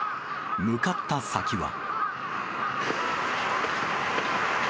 向かった先は。